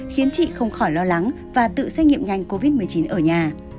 khiến chị không khỏi lo lắng và tự xét nghiệm nhanh covid một mươi chín ở nhà